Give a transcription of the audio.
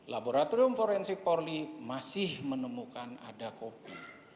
laboratorium forensik polri masih menemukan ada kopi